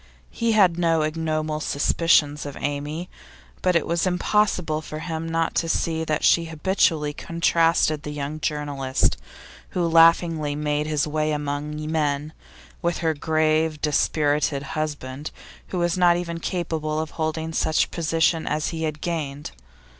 He had no ignoble suspicions of Amy, but it was impossible for him not to see that she habitually contrasted the young journalist, who laughingly made his way among men, with her grave, dispirited husband, who was not even capable of holding such position as he had gained.